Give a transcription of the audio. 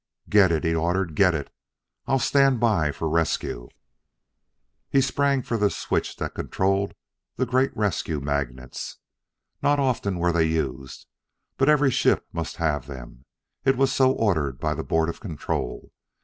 "Get it!" he ordered; "get it! I'll stand by for rescue." He sprang for the switch that controlled the great rescue magnets. Not often were they used, but every ship must have them: it was so ordered by the Board of Control.